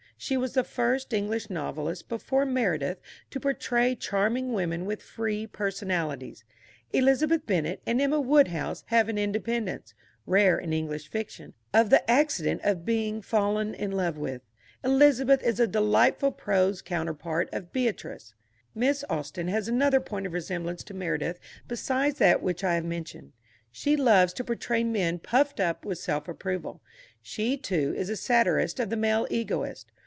She was the first English novelist before Meredith to portray charming women with free personalities. Elizabeth Bennet and Emma Woodhouse have an independence (rare in English fiction) of the accident of being fallen in love with. Elizabeth is a delightful prose counterpart of Beatrice. Miss Austen has another point of resemblance to Meredith besides that which I have mentioned. She loves to portray men puffed up with self approval. She, too, is a satirist of the male egoist.